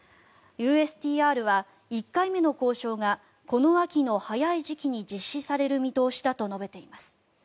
ＵＳＴＲは１回目の交渉がこの秋の早い時期に実施される見通しだと述べています。